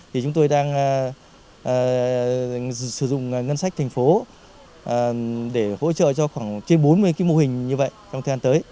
thì chúng tôi đang sử dụng ngân sách thành phố để hỗ trợ cho khoảng trên bốn mươi cái mô hình như vậy trong thời gian tới